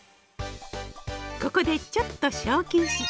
ここでちょっと小休止。